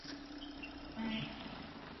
萨摩国出身。